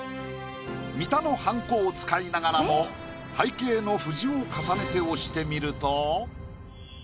三田のハンコを使いながらも背景の藤を重ねて押してみると。